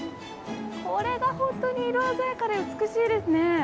これが本当に色鮮やかで美しいですね。